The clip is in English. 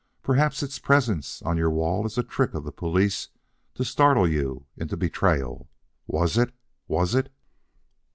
Perhaps its presence on your wall is a trick of the police to startle you into betrayal. Was it? Was it?"